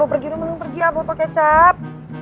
lo pergi nih mending pergi ya botol kecap